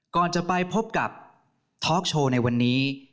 ก่อนจะไปพบกับทอล์กโชว์ในวันนี้